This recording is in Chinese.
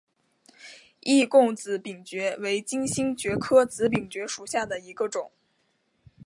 易贡紫柄蕨为金星蕨科紫柄蕨属下的一个种。